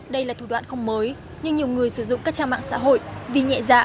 đây là thủ đoạn không mới nhưng nhiều người sử dụng các trang mạng xã hội vì nhẹ dạ